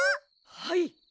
はい。